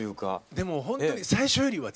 でもほんとに最初よりは全然マシ。